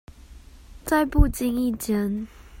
在不經意間